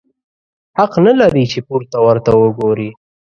حق نه لرې چي پورته ورته وګورې!